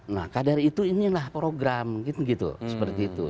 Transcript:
nah kadar itu inilah program gitu